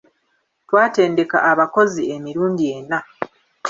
Twatendeka abakozi emirundi ena.